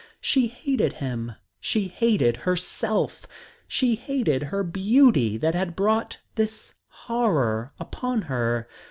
She hated him, she hated herself, she hated her beauty that had brought this horror upon her.